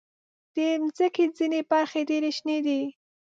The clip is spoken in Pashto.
د مځکې ځینې برخې ډېر شنې دي.